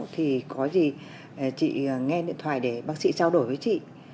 thì có gì chị nghe điện thoại để bác sĩ trao đổi với chị